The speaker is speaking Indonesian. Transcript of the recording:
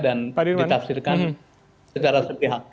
dan ditafsirkan secara setihak